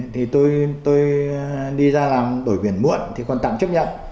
thì tôi đi ra làm đổi biển muộn thì còn tạm chấp nhận